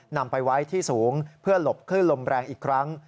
นำไปไว้ที่สูงเพื่อหลบคลื่นลมแรงอีกครั้ง